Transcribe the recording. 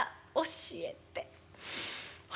教えて。